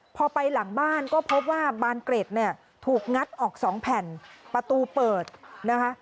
พอไปหลังบ้านก็พบว่าบานเกร็ดเนี่ยถูกงัดออกสองแผ่นประตูเปิดนะคะ